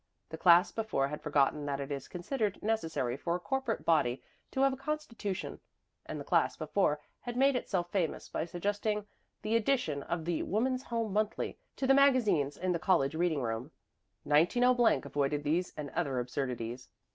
The class before had forgotten that it is considered necessary for a corporate body to have a constitution; and the class before that had made itself famous by suggesting the addition of the "Woman's Home Monthly" to the magazines in the college reading room. 190 avoided these and other absurdities.